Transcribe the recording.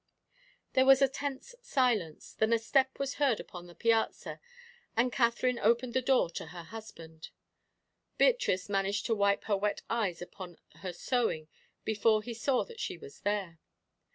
There was a tense silence, then a step was heard upon the piazza, and Katherine opened the door to her husband. Beatrice managed to wipe her wet eyes upon her sewing before he saw that she was there.